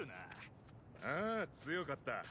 ・ああ強かった。